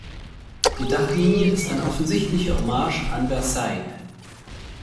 Die Dachlinie ist eine offensichtliche Hommage an Versailles.